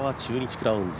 クラウンズ